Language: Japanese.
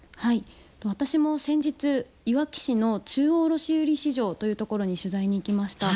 私も先日、いわき市の中央卸売市場というところに取材に行きました。